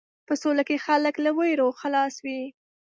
په سوله کې خلک له وېرو خلاص وي.